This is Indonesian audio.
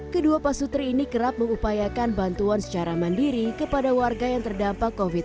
kedua pasutri ini kerap mengupayakan bantuan secara mandiri kepada warga yang terdampak covid sembilan belas